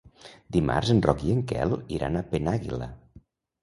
Dimarts en Roc i en Quel iran a Penàguila.